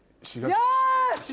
よし！